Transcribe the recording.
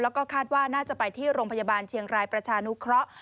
แล้วก็คาดว่าน่าจะไปที่โรงพยาบาลเชียงรายประชานุเคราะห์